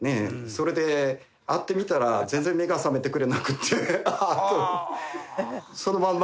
それで会ってみたら全然目が覚めてくれなくてあとそのまんま。